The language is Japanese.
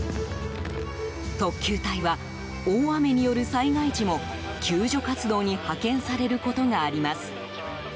特救隊は、大雨による災害時も救助活動に派遣されることがあります。